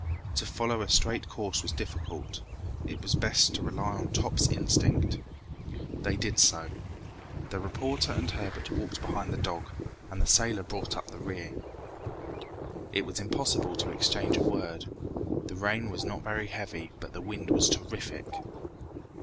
To follow a straight course was difficult. It was best to rely on Top's instinct. They did so. The reporter and Herbert walked behind the dog, and the sailor brought up the rear. It was impossible to exchange a word. The rain was not very heavy, but the wind was terrific.